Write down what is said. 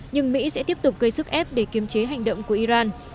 nhưng mỹ sẽ tiếp tục gây sức ép để kiềm chế hành động của iran